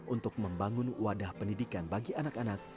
untuk membangun wadah pendidikan bagi anak anak